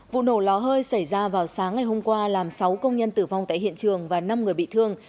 vụ nổ ló hơi xảy ra vào sáng ngày hôm qua làm sáu công nhân tử vong tại hiện trường và năm người bị thương